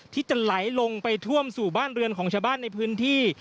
ที่จะไหลลงไปท่วมสู่บ้านเรือนของชาวบ้านในพื้นที่